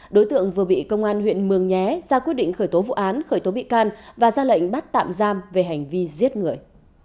đối tượng vừa bị công an huyện mường nhé ra quyết định khởi tố vụ án khởi tố bị can và ra lệnh bắt tạm giam về hành vi giết người